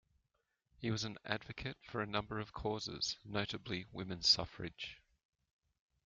He was an advocate for a number of causes, notably women's suffrage.